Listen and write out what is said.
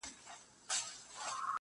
• چي یې ښځي ویل واوره دا خبره -